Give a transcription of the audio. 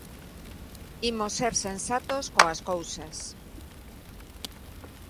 Imos ser sensatos coas cousas.